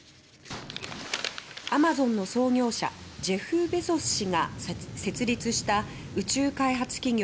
アマゾンの創業者ジェフ・ベゾス氏が設立した宇宙開発企業